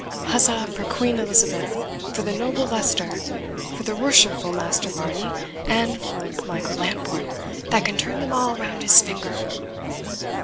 Huzza for Queen Elizabeth! for the noble Leicester! for the worshipful Master Varney! and for Michael Lambourne, that can turn them all round his finger!"